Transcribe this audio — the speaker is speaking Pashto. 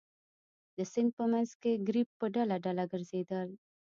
د سیند په منځ کې ګرېب په ډله ډله ګرځېدل.